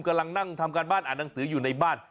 กำลังนั่งทำการบ้านอ่านหนังสืออยู่ในบ้าน